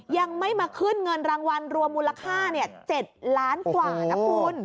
ยังไม่มาขึ้นเงินรางวัลรวมมูลค่า๗ล้านกว่านะคุณ